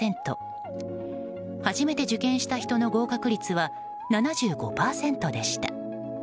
初めて受験した人の合格率は７５％でした。